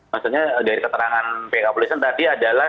maksudnya dari keterangan pk polisian tadi adalah